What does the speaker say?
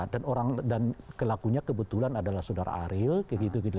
dan orang dan kelakunya kebetulan adalah saudara aril